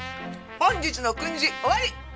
本日の訓示終わり！